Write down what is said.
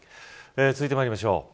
続いてまいりましょう。